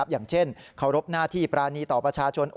อย่างเช่นเคารพหน้าที่ปรานีต่อประชาชน